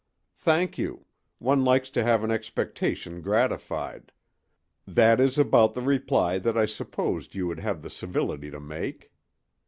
"Thank you; one likes to have an expectation gratified; that is about the reply that I supposed you would have the civility to make."